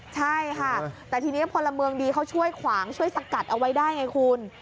ใช่ค่ะแต่ทีนี้พลเมืองดีเขาช่วยขวางช่วยสกัดเอาไว้ได้ไงคุณ